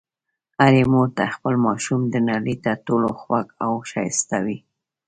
هرې مور ته خپل ماشوم د نړۍ تر ټولو خوږ او ښایسته وي.